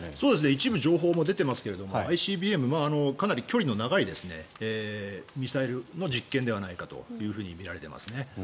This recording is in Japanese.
一部情報も出ていますがＩＣＢＭ、かなり距離の長いミサイルの実験ではないかとみられていますね。